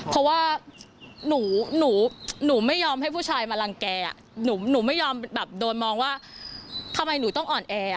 เพราะว่าหนูหนูไม่ยอมให้ผู้ชายมารังแก่หนูไม่ยอมแบบโดนมองว่าทำไมหนูต้องอ่อนแอ